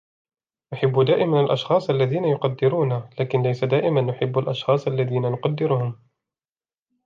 نحب دائما الأشخاص الذين يقدرونا, لكن ليس دائما نحب الأشخاص الذين نقدرهم.